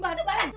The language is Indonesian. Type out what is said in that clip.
gimana sih tuh